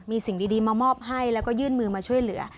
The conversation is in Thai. มีสิ่งดีมามอบให้แล้วก็ยื่นมือมาช่วยเหลือ